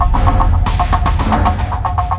aduh ngapain sih kok ada disini kalian gini